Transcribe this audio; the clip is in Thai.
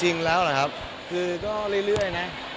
จริงแล้วหรอครับคือก็เรื่อยนะ